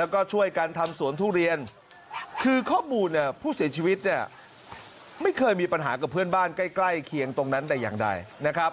กับเพื่อนบ้านใกล้เคียงตรงนั้นแต่อย่างใดนะครับ